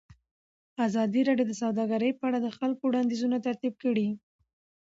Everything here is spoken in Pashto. ازادي راډیو د سوداګري په اړه د خلکو وړاندیزونه ترتیب کړي.